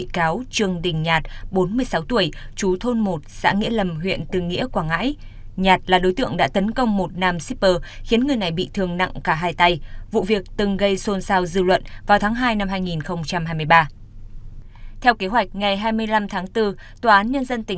cảm ơn các bạn đã theo dõi